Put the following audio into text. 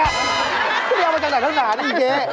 ที่นี่เอามาจากไหนนะเจ๊